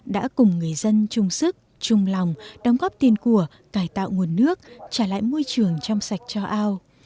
đã cùng người dân chung sức chung lòng đóng góp tiền của cải tạo nguồn nước trả lại môi trường trong sạch cho ao